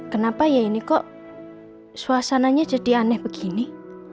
kenapa ya ini kok suasananya jadi aneh begini